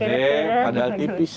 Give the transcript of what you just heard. tuh lihat gede padahal tipis